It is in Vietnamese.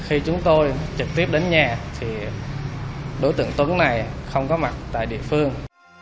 khi chúng tôi trực tiếp đến nhà thì đối tượng tuấn này không có mặt tại địa phương